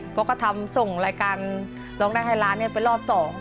เพราะเขาทำส่งรายการร้องได้ไฮลาสเป็นรอบสอง